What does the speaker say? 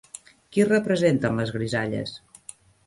Qui representen les grisalles?